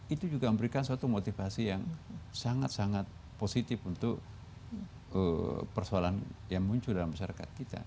itu juga memberikan suatu motivasi yang sangat sangat positif untuk persoalan yang muncul dalam masyarakat kita